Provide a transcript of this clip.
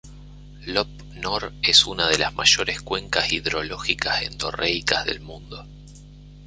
Lop Nor es una de las mayores cuencas hidrológicas endorreicas del mundo.